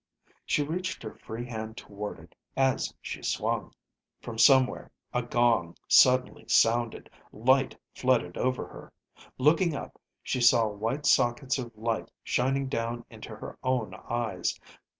She reached her free hand toward it as she swung. From somewhere a gong suddenly sounded. Light flooded over her. Looking up, she saw white sockets of light shining down into her own eyes.